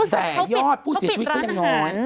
แต่ยอดผู้เสียชีวิตก็ยังน้อย